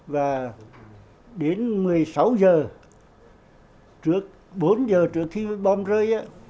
và đến một mươi sáu h bốn h trước khi bom rơi